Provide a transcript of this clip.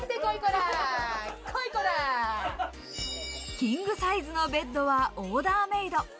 キングサイズのベッドは、オーダーメイド。